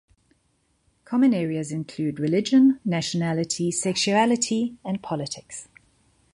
Common areas include religion, nationality, sexuality, and politics.